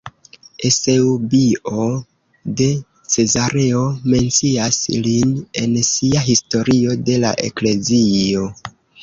Eŭsebio de Cezareo mencias lin en sia Historio de la Eklezio.